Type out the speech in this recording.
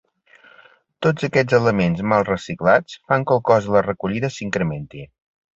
Tots aquests elements mal reciclats fan que el cost de la recollida s’incrementi.